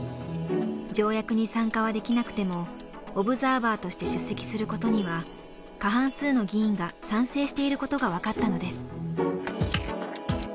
条約に参加はできなくてもオブザーバーとして出席することには過半数の議員が賛成していることがわかったのです。